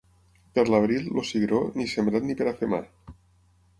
Per l'abril, el cigró, ni sembrat ni per afemar.